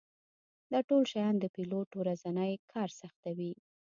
دا ټول شیان د پیلوټ ورځنی کار سختوي